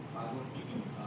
pak agung itu